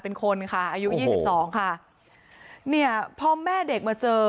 เป็นคนค่ะอายุยี่สิบสองค่ะเนี่ยพ่อแม่เด็กมาเจอ